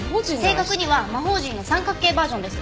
正確には魔方陣の三角形バージョンです。